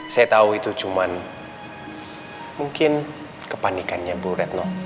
saya tahu itu cuma mungkin kepanikannya bu retno